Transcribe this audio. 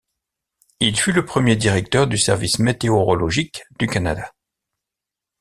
Il fut le premier directeur du Service météorologique du Canada.